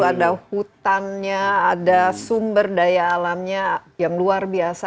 ada hutannya ada sumber daya alamnya yang luar biasa